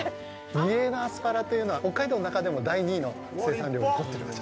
美瑛のアスパラというのは北海道の中でも第２位の生産量を誇っております。